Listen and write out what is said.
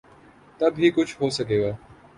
تب ہی کچھ ہو سکے گا۔